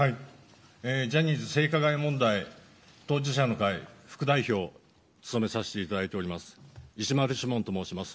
ジャニーズ性加害問題当事者の会、副代表を務めさせていただいております石丸志門さんと申します。